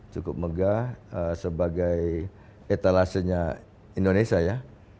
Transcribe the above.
cukup megah sebagai etalasenya indonesia ya